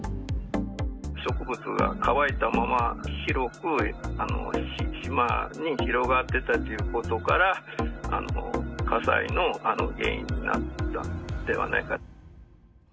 植物が乾いたまま、広く、島に広がってたということから、火災の原因になったのではないかと。